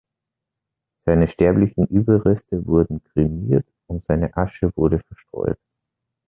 Seine sterblichen Überreste wurden kremiert und seine Asche wurde verstreut.